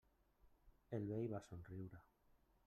El vell va somriure.